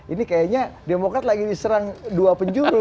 ini kayaknya demokrat lagi diserang dua penjuru